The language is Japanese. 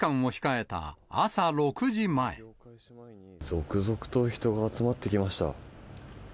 続々と人が集まってきました。